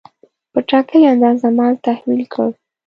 په ټاکلې اندازه مال تحویل کړ.